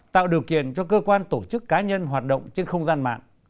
tạo điều kiện cho cơ quan tổ chức cá nhân hoạt động trên không gian mạng